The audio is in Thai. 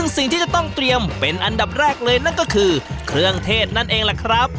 สิ่งที่จะต้องเตรียมเป็นอันดับแรกเลยนั่นก็คือเครื่องเทศนั่นเองล่ะครับ